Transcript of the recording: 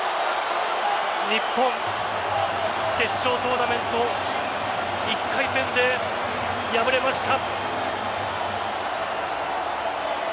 日本、決勝トーナメント１回戦で敗れました。